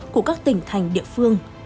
của các tỉnh thành địa phương